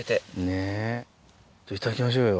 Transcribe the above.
ねぇじゃあいただきましょうよ。